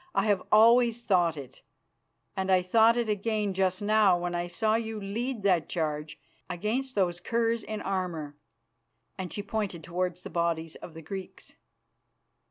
I have always thought it, and I thought it again just now when I saw you lead that charge against those curs in armour," and she pointed towards the bodies of the Greeks.